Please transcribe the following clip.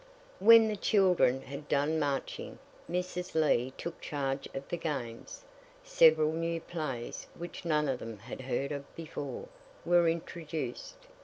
] IV. When the children had done marching, Mrs. Lee took charge of the games. Several new plays, which none of them had heard of before, were introduced.